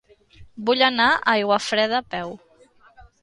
Vull anar a Aiguafreda a peu.